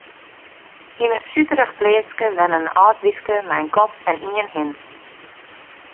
Yn in suterich pleatske wenne in âld wyfke mei in kat en ien hin.